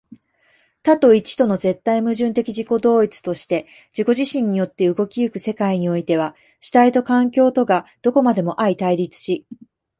多と一との絶対矛盾的自己同一として自己自身によって動き行く世界においては、主体と環境とがどこまでも相対立し、